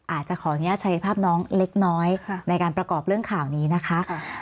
อาจจะขออนุญาตใช้ภาพน้องเล็กน้อยในการประกอบเรื่องข่าวนี้นะคะ